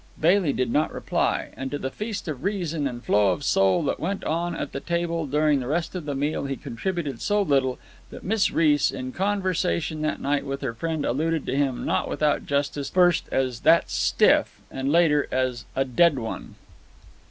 Bailey did not reply. And to the feast of reason and flow of soul that went on at the table during the rest of the meal he contributed so little that Miss Reece, in conversation that night with her friend alluded to him, not without justice, first as "that stiff," and, later, as "a dead one."